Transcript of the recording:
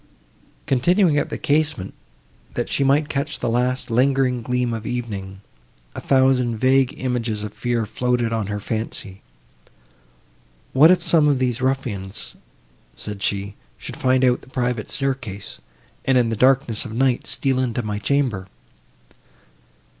Continuing at the casement, that she might catch the last lingering gleam of evening, a thousand vague images of fear floated on her fancy. "What if some of these ruffians," said she, "should find out the private staircase, and in the darkness of night steal into my chamber!"